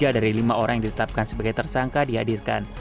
tiga dari lima orang yang ditetapkan sebagai tersangka dihadirkan